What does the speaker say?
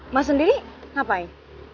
mas sendiri ngapain